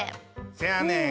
せやねん。